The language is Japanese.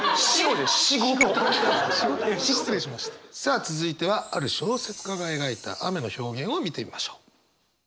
さあ続いてはある小説家が描いた雨の表現を見てみましょう。